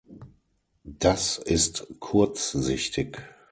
Das ist kurzsichtig.